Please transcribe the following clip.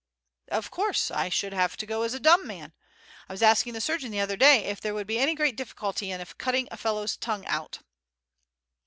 "Of course I should have to go as a dumb man. I was asking the surgeon the other day if there would be any great difficulty in cutting a fellow's tongue out."